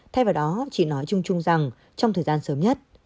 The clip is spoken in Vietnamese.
thay vào đó chỉ nói chung chung rằng trong thời gian sớm nhất